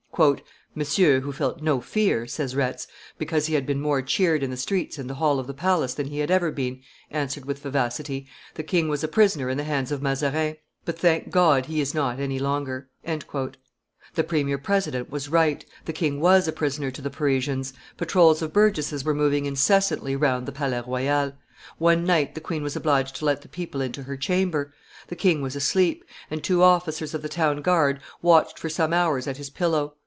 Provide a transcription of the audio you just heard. "Monsieur, who felt no fear," says Retz, "because he had been more cheered in the streets and the hall of the palace than he had ever been," answered with vivacity, "The king was a prisoner in the hands of Mazarin; but, thank God, he is not any longer." The premier president was right; the king was a prisoner to the Parisians; patrols of burgesses were moving incessantly round the Palais Royal; one night the queen was obliged to let the people into her chamber; the king was asleep; and two officers of the town guard watched for some hours at his pillow.